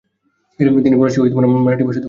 তিনি ফরাসি ও মারাঠি ভাষাতেও দক্ষতা অর্জন করেন।